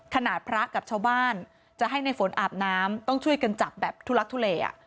พระกับชาวบ้านจะให้ในฝนอาบน้ำต้องช่วยกันจับแบบทุลักทุเล